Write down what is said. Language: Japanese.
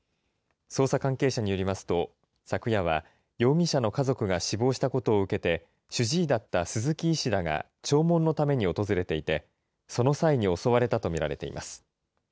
捜査関係者によりますと、昨夜は、容疑者の家族が死亡したことを受けて、主治医だった鈴木医師らが、弔問のために訪れていて、その際に襲われたと見られています。